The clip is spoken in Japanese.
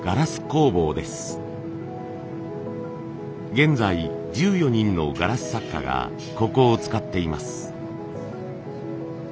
現在１４人のガラス作家がここを使っています。